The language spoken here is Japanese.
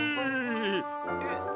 えっ？